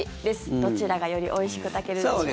どちらがよりおいしく炊けるでしょうか。